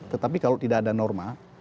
tetapi kalau tidak ada norma